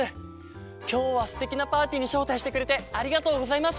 きょうはすてきなパーティーにしょうたいしてくれてありがとうございます！